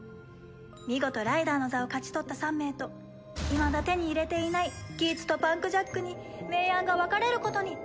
見事ライダーの座を勝ち取った３名といまだ手に入れていないギーツとパンクジャックに明暗が分かれることに。